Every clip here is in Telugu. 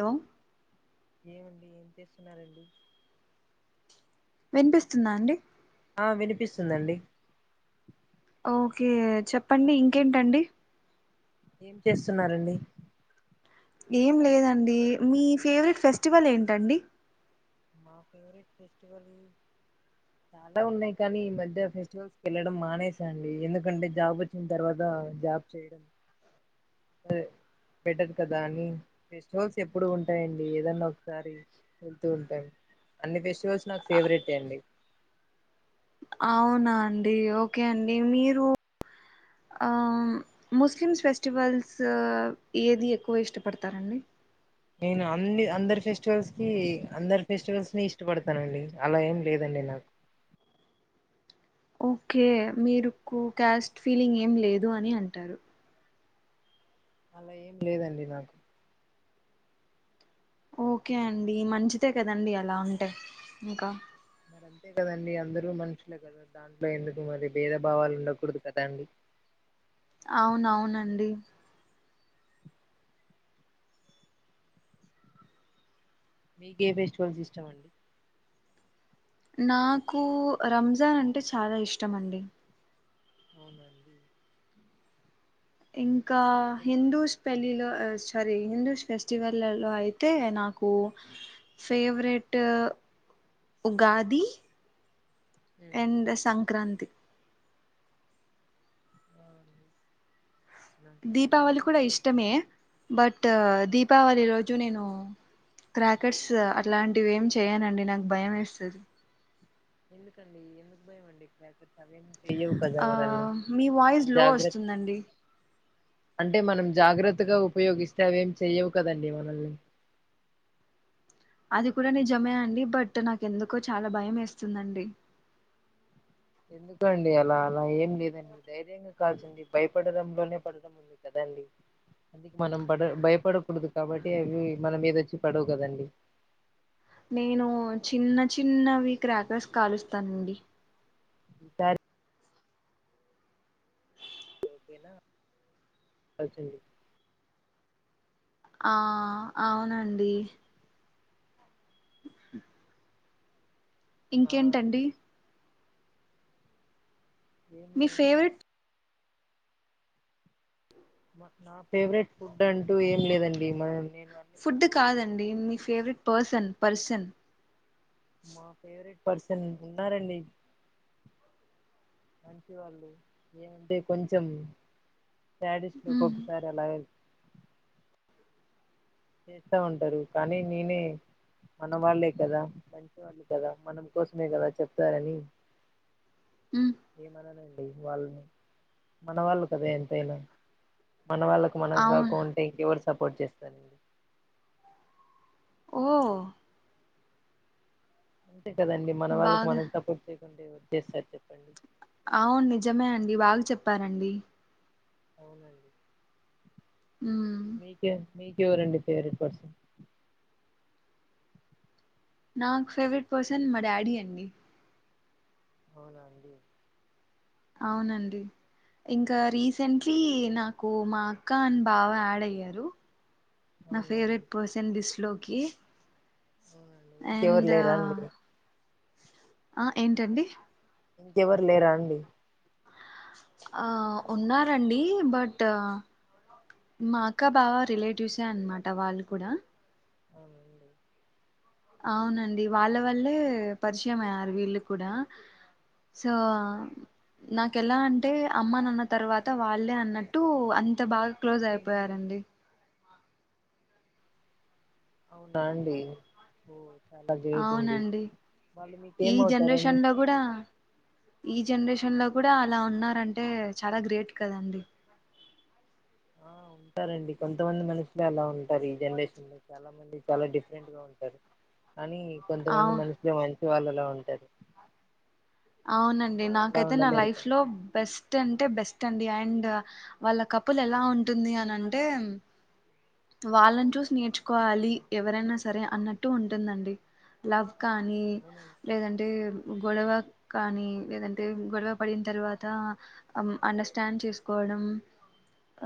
లో ఏమండి ఏం చేస్తున్నారంండి వినిపిస్తుందా అండి ఆ వినిపిస్తుందండి ఓకే చెప్పండి ఇంకేంటండి ఏం చేస్తున్నారండి ఏం లేదండి మీ ఫేవరెట్ ఫెస్టివల్ ఏంటండి మా ఫేవరెట్ ఫెస్టివల్ చాలా ఉన్నాయి్ కానీ ఈ మధ్య ఫెస్టివల్స్కి వెళ్ళడం మానేసా అండి ఎందుకంటే జాబ్ వచ్చిన తర్వాత జాబ్ చేయడం దే బెటర్ కదా అని ఫెస్టివల్స్ ఎప్పుడు ఉంటాయండి ఏదన్నా ఒకసారి వెళ్తూ ఉంటాం అన్ని ఫెస్టివల్స్ నాకు ఫేవరెట్ ఏ అండి అవునా అండి ఓకే అండి మీరు ఆ ముస్లిమ్స్ ఫెస్టివల్స్ ఏది ఎక్కువ ఇష్టపడతారంండి నేను అన్ని అందరి ఫెస్టివల్స్ కి అందరు ఫెస్టివల్స్ ని ఇష్టపడతానండి అలా ఏం లేదండి నాకు ఓకే మీరుకు క్యాస్ట్ ఫీలింగ్ ఏం లేదు అని అంటారు అలా ఏం లేదండి నాకు ఓకే అండి మంచిదే కదండి అలా ఉంటే ఇంకా మరి అంతే కదండి అందరుూ మనుషులే కదా దాంట్లో ఎందుకు మరి భేదభావాలు ఉండకూడదు కదా అండి అవునవునండి మీకే ఏ ఫెస్టివల్స్ ఇష్టమండి నాకు రంజాన్ అంటే చాలా ఇష్టం అండి అవునండి ఇంకా కా ఎన్ హిందూస్ పెళ్ళిలో సారీ హిందూ ఫెస్టివల్లో అయితే నాకు ఫేవరెట్ ఉగాది అండ్ సంక్రాంతి ఆ నాకు అన్ని దీపావళి కూడా ఫెస్టివల్స్ ఇష్టమే బట్ ఆ, దీపావళి రోజు నేను క్రాకర్స్ అట్లాంటివి ఏమి చెయనండి నాకు భయం వేస్తది ఎందుకండి ఎందుకు భయంమండి క్రాకర్స్ అవి ఆ మీ వాయిస్ లో జాగ్రత్త వస్తుందండి అంటే మనం జాగ్రత్తగా ఉపయోగిస్తే అవేం చెయవు కదండి మనల్ని అది కూడా నిజమే అండి బట్ నాకు ఎందుకో చాలా భయం వేస్తుందండి ఎందుకండి అలా అలా ఏం లేదండి ధైర్యంగా కాల్చండి భయపడటంలోనే పడటం ఉంది కదండి అందుక మనం పడ భయపడకూడదు కాబట్టి అవి మన మీదొచ్చి పడవు కదండి నేను చిన్న చిన్నవి క్రాకర్స్ కాలుస్తానండి. ఈసారి నా కాల్చండి ఆ అవునండి ఆ అండి ఇంకేంటండి ఏం మీ లేదండి ఫేవరెట్ మా నా ఫేవరెట్ ఫుడ్ అంటూ ఏం లేదండి, మ నేను అన్ని ఫుడ్స్ పసన్ పర్సన్ మా ఫేవరెట్ పర్సన్ ఉన్నారండి మంచివాళ్ళు ఏమంటే కొంచెం శాడిస్ట్లు ఉమ్, ఒక్కొకసారి అలాగే చేస్తా ఉంటారు. కానీ నేనే మన వాళ్ళే కదా, మంచి వాళ్ళూ కదా, మనం కోసమే కదా చెప్తారని ఉమ్, ఏమనలేదు ఏం కాదులే మన వాళ్ళు కదా ఎంతైనా మన వాళ్ళకు మనం అవును కాకొంటే ఇంకెవరు సపోర్ట్ చేస్తానండి ఓ అ అంతే కదండీ మన వాళ్ళ బాగా మనం సపోర్ట్ చె యకుంటే ఎవరు చేస్తరు చెప్పండి అవును నిజమే అండి బాగ చెప్పారండి అవునండి ఉమ్, మీకే మీకెవరండి ఫేవరెట్ పర్సన్ నాక్ ఫేవరెట్ పర్సన్ మా డాడీ అండి అవునా అండి అవునండి. ఇంకా రీసెంట్లీ నాకు మా అక్క అండ్ బావ ఆడ్ అయ్యారు నా అవునా అండి ఫేవరెట్ పర్సన్ దిస్ లో కీ అవునండి ఇంకెవరు అండ్ లేరా అండి ఆ ఏంటండి ఇంకెవరు లేరా అండి ఆ ఉన్నారండి, బట్ మా అక్క బావ రిలేటివ్సే అనమాట వాళ్ళు కూడా. అవునా అండి అవునండి వాళ్ళ వల్లే పరిచయం అయ్యారు వీళ్ళు కూడా. సో నాకు ఎలా అంటే అమ్మనాన్న తర్వాత వాళ్ళే అన్నట్టు అంత బాగ క్లోజ్ అండి మీ అయిపోయారండి అవునా అండి ఓ చాలా గ్రేట్ అండి అవునండి వాళ్ళు ఈ జనరేషన్ మీకేమవుతారండి లో కూడా ఈ జనరేషన్ లో కూడా అలా ఉన్నారంటే చాలా గ్రేట్ కదండి ఆ ఉంటారండి కొంతమంది మనుషులే అలా ఉంట రూ ఈ జనరేషన్ లో చాలా మంది చాలా డిఫరెంట్ గా ఉంటారు కానీ కొంతమంది అవు మనుషులు మంచి వాళ్ళలా ఉంటది అవునండి నాకైతే నా లైఫ్ కదా లో బెస్ట్ అంటే బెస్ట్ అండి అండ్ వాళ్ళ కపుల్ ఎలా ఉంటుంది అని అంటే వాళ్ళని చూసి నేర్చుకోవాలి ఎవరైనా సరే అన్నట్టు ఉంటుందండి లవ్ కానీ అవును లేదంటే గొడవ కానీ లేదంటే గొడవ పడిన తర్వాత అండర్స్టాండ్ చేసుకోవడం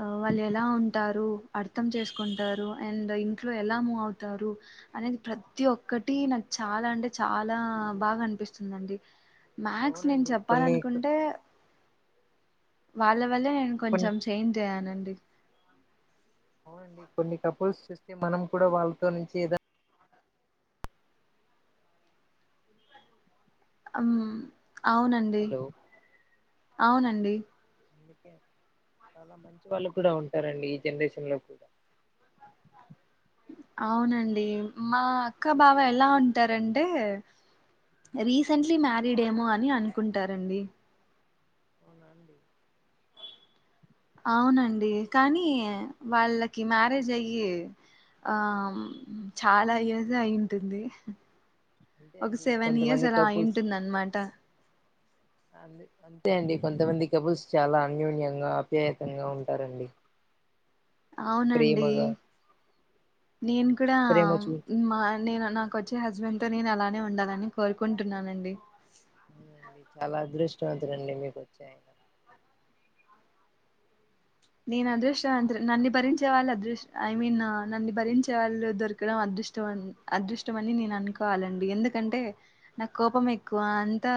ఆ వాళ్ళు ఎలా ఉంటారు అర్థం చేసుకో కుంటారు అండ్ ఇంట్లో ఎలా మూవ్ అవుతారు అనేది ప్రతి ఒక్కటి నాకు చాలా అంటే చాలా బాగా అనిపిస్తుందండి మాక్స్ నేను అవునండి కొన్ని చెప్పాలనుకుంటే వాళ్ళ వల్లే నేను కొన్ని కొంచెం చేంజ్ అయ్యానండి అండి కొన్ని కపుల్స్ చూస్తే మనం కూడా వాళ్ళలో నుంచి ఏదన్న ఆమ్ అవునండి హలో అవునండి అందుకే చాలా మంచి వాళ్ళు కూడా ఉంటారండి ఈ జనరేషన్ లో కూడా అవునండి మా అక్క బావ ఎలా ఉంటారంటే రీసెంట్లీ మ్యారీడ్ ఏమో అని అనుకుంటారండి అవునా అండి అవునండి కానీ వాళ్ళకి మ్యారేజ్ అయ్యి ఆ చాలా ఇయర్స్ అయి ఉంటుంది అంతే ఒక అండి సెవెన్ ఇయర్స్ కొంతమంది అలా కపుల్స్ అయింటుందన్నమాట అంది అంతే అండి కొంతమంది కబుల్స్ చాలా అన్యూన్యంగా అప్యాయతంగా ఉంటారండి అవునండి ప్రేమగా నేను కూడా ప్రేమ చూ మా నేను నాకోచ్చే హస్బెండ్ తో నేను అలానే ఉండాలని కోరుకుంటున్నానండి చాలా అదృష్టవంతులండి మీకు వచ్చా ఆయన నేను అదృష్టం అంతను నన్ను భరించే వాళ్ళు అదృష్టం ఐ మీన్ నన్ను భరించే వాళ్ళు దొరకడం అదృష్టం అదృష్టం అని నేను అనుకోవాలండి ఎందుకంటే నాకు కోపం ఎక్కువ అంతా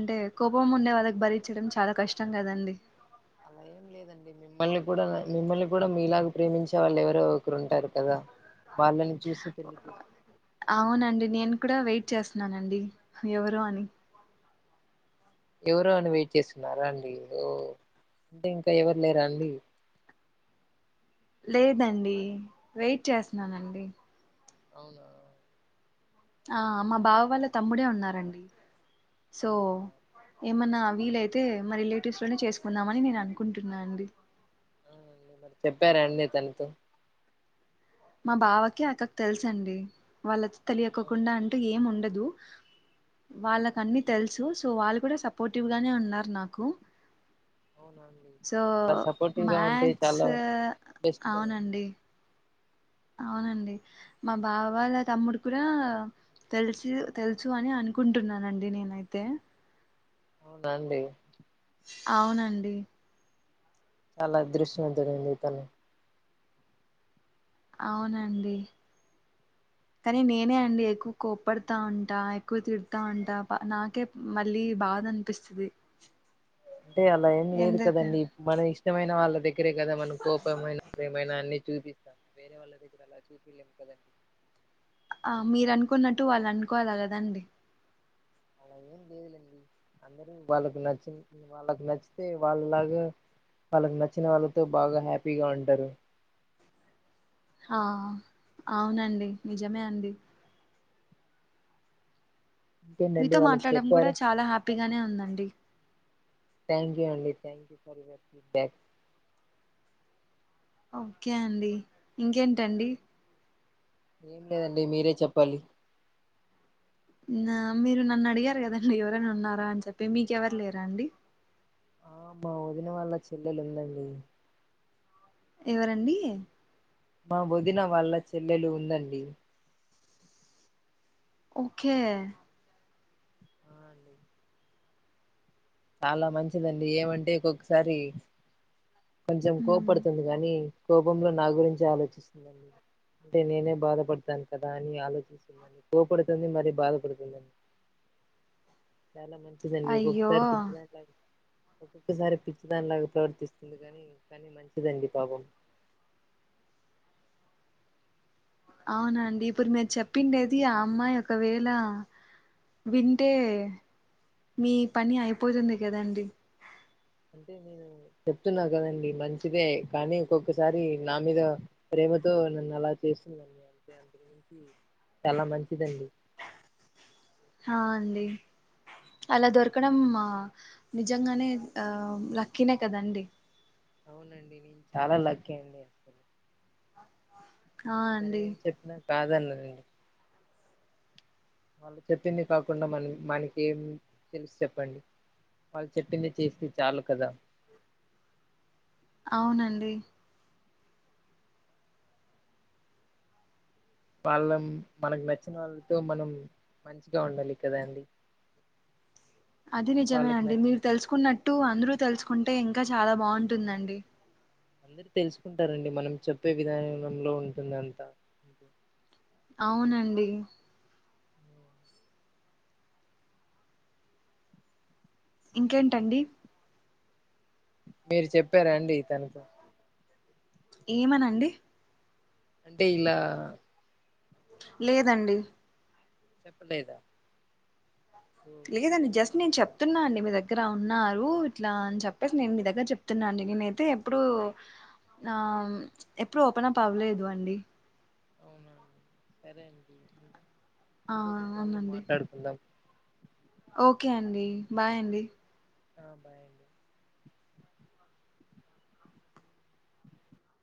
అంటే కోపం ఉండే వాళ్ళకి భరించడం చాలా కష్టం కదండి అలా ఏం లేదండి మిమ్మల్ని కూడా మిమ్మల్ని కూడా మీ ఇలాగ ప్రేమించే వాళ్ళు ఎవరో ఒకరు ఉంటారు కదా వాళ్ళని చూసి పెళ్లి చేసుకోండి క్క వెయిట్ చేస్తున్నానండి ఎవరు అని ఎవరు అని వెయిట్ చేస్తున్నారా అండి ఓ అంటే ఇంకా ఎవరు లేరా అండి లేదండి వెయిట్ చేస్తున్నానండి అవునా ఆ మా బావ వాళ్ళ తమ్ముడే ఉన్నారండి సో అవునా ఏమన్నా వీలైతే మా రిలేటివ్స్ లోనే చేసుకుందామని నేను అనుకుంటున్నా అండి. చెప్పార అండి తనతో మా బావకి అక్కకి తెలుస అండి వాళ్ళతో తెలియకోకుండా అంటూ ఏం ఉండదు వాళ్ళక అన్ని తెలుసు సో వాళ్ళు కూడా సపోర్టివ్గానే ఉన్నారు నాకు అవునా అండి సో అలా సపోర్టివ్ గా ఉంటే మ్యాక్స్ చాలా బెస్ట్ కదండి అవునండి అవునండి మా బావ వాళ్ళ తమ్ముడు కూడా తెలిసి తెలుసు అని అనుకుంటున్నానండి నేనైతే అవునా అండి అవునండి చాలా అదృశ్యం జరిగిందితను అవునండి కానీ నేనే అండి ఎక్కువ కోప్పడుతా ఉంటా ఎక్కువ తిడుత తా ఉంటా అలా నాకే మళ్ళీ బాద అనిపిస్తది అంటే అలా ఏం లేదు ఎందుక కదండి మన ఇష్ట మైన వాళ్ళ ద ఇరే కదా మన కోపమైన ప్రేమ అన్ని చూపిస్తాను వేరే వాళ్ళ దగ్గర అలా చూపిలేము కదండి ఆ మీరు అనుకున్నట్టు వాళ్ళు అనుకోవాలా కదండి అలా ఏం లేదులేండి అందరూ వాళ్ళకు నచ్చిన వాళ్ళకి నచ్చితే వాళ్ళలాగా వాళ్ళకు నచ్చిన వాళ్ళతో బాగా హ్యాపీగా ఉంటారు ఆ అవునండి నిజమే అండి ఇంకేంటండి మీతో వాళ్ళకి మాట్లాడడం కూడా చెప్పారు చాలా హ్యాపీగానే ఉందండి థ్యాంక్యూ అండి thank you for your feedback okay అండి ఇంకేంటండి ఏం లేదండి మీరే చెప్పాలి నా మీరు నన్ను అడిగారు కదండి ఎవరైనా ఉన్నారా అని చెప్పి మీకెవరు లేరా అండి ఆమ్ మా వదిన వళ్ల చెల్లెలు వుందండి ఎవరండి మా వదిన వాళ్ళ చెల్లెలు ఉందండి ఓకే ఆ అండి చాలా మంచిదండి ఏమంటే ఒకొక్కొసారి కొంచెం మ్మ్ కోపడుతుంది కానీ కోపంలో నా గురించి ఆలోచిస్తుందండి అంటే నేనే బాధపడతాను కదా అని ఆలోచిస్తుందిండి కోపడుతుంది మరి బాధపడుతుందండి చాలా మంచిదండి అయ్యో ఒక్కొక్కసారి ఒక్కొక్కసారి పిచ్చిదానిలాగా ప్రవర్తిస్తుంది కానీ కానీ మంచిదండి పాపం అవునండి ఇప్పుడు మీరు చెప్పిండేది ఆ అమ్మాయి ఒకవేళ వింటే మీ పని అయిపోతుంది కదండి అంటే నేను చెప్తున్నా కదండి మంచిదే కానీ ఒకొక్కసారి నా మీద ప్రేమతో నన్ను అలా చేస్తుందండి అంటే అంతకు మించి చాలా మంచిదండి ఆ అండి అలా దొరకడం నిజంగానే ఆ లక్కీనే కదండి అవునండి నేను చాలా లక్కీ అండి అసలు ఆ తను అండి ఏం చెప్పినా కాదన్నదండి వాళ్ళ చెప్పింది కాకుండా మనం మనకి ఏం తెలుసు చెప్పండి వాళ్ళ చెప్పింది చేస్తే చాలు కదా అవునండి వాళ్ళ మనకు నచ్చిన వాళ్ళతో మనం మంచిగా ఉండాలి కదా అండి అది నిజమే వాళ్ళకి అండి నచ్చి మీరు తెలుసుకున్నట్టు అందరూ తెలుస్ కుంటే ఇంకా చాలా బాగుంటుందండి అందరు తెలుసుకుంటారండి మనం చెప్పే విధానంలో ఉంటుంది అంతా అవునండి ఇంకేంటండి మీరు చెప్పారా అండి తనతో ఏమనండి అంటే ఇలా లేదండి చెప్పలేదా ఓ లేదండి జస్ నేను చెప్తున్నా అండి మీ దగ్గర ఉన్నారు ఇట్లా అని చెప్పేసి నేను మీ దగ్గర చెప్తున్నాండి నేనైతే ఎప్పుడు ఆ ఎప్పుడు ఓపెన్ అప్ అవ్వలేదు అండి అవునండి సరే అండి ఆ ఇంకొక కాలో అవునండి మాట్లాడుకుందాం ఓకే అండి బాయ్ అండి ఆ బాయండి